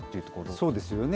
そうですよね。